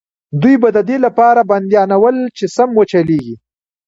دوی به د دې لپاره بندیانول چې سم وچلېږي.